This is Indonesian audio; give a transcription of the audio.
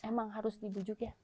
memang harus dibujuk ya